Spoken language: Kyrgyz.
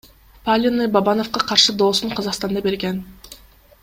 Паленый Бабановго каршы доосун Казакстанда берген.